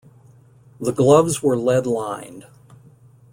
The gloves were lead-lined.